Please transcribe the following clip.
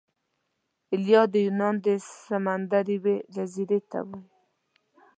ایلیا د یونان د سمندر یوې جزیرې ته وايي.